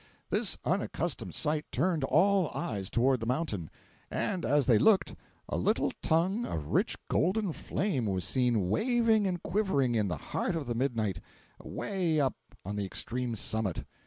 This unaccustomed sight turned all eyes toward the mountain; and as they looked, a little tongue of rich golden flame was seen waving and quivering in the heart of the midnight, away up on the extreme summit!